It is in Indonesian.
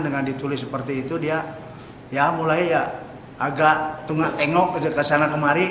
dengan ditulis seperti itu dia mulai agak tunggak engok ke sana kemari